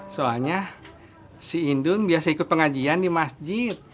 soalnya si indung biasa ikut pengajian di masjid